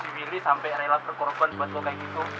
wili sampai rela terkorban buat kamu seperti itu